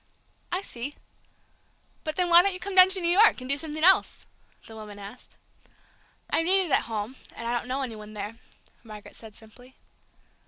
"I see. But then why don't you come down to New York, and do something else?" the other woman asked. "I'm needed at home, and I don't know any one there," Margaret said simply.